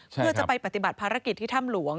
เพื่อจะไปปฏิบัติภารกิจที่ถ้ำหลวง